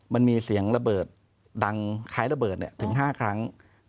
มันมีเสียงระเบิดดังคล้ายระเบิดถึง๕ครั้ง